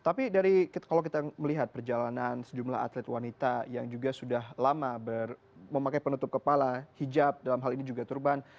tapi dari kalau kita melihat perjalanan sejumlah atlet wanita yang juga sudah lama memakai penutup kepala hijab dalam hal ini juga turban